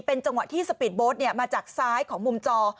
เป็นจังหวะที่สปีดโบ๊ทมาจากซ้ายของมุมจอ